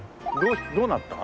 どうなった？